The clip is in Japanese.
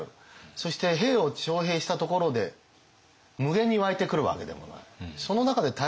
そして兵を徴兵したところで無限に湧いてくるわけでもない。